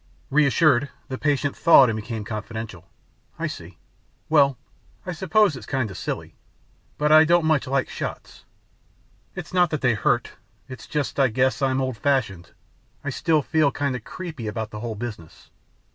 Reassured, the patient thawed and became confidential, "I see. Well, I suppose it's kinda silly, but I don't much like shots. It's not that they hurt ... it's just that I guess I'm old fashioned. I still feel kinda 'creepy' about the whole business."